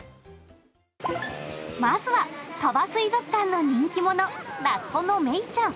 まずは鳥羽水族館の人気者、ラッコのメイちゃん。